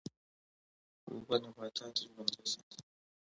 اوبه نباتات ژوندی ساتي.